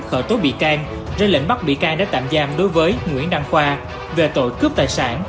khởi tố bị can ra lệnh bắt bị can để tạm giam đối với nguyễn đăng khoa về tội cướp tài sản